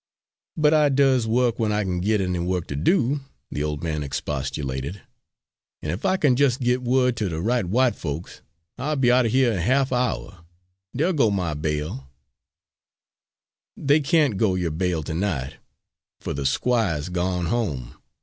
"But I does wo'k we'n I kin git any wo'k ter do," the old man expostulated. "An' ef I kin jus' git wo'd ter de right w'ite folks, I'll be outer here in half a' hour; dey'll go my bail." "They can't go yo' bail to night, fer the squire's gone home.